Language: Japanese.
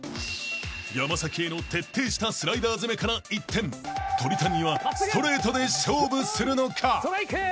［山への徹底したスライダー攻めから一転鳥谷にはストレートで勝負するのか？］